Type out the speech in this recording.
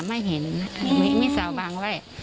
ไม่เห็นไม่มีเสาบังไว้